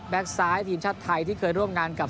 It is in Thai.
ซ้ายทีมชาติไทยที่เคยร่วมงานกับ